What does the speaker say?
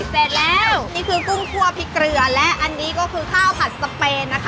เสร็จแล้วนี่คือกุ้งคั่วพริกเกลือและอันนี้ก็คือข้าวผัดสเปนนะคะ